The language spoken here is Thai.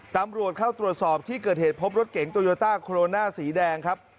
ตำรวจเข้าตรวจสอบที่เกิดเหตุพบรถเก๋งโตโยต้าโคโรนาสีแดงครับ